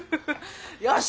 よし！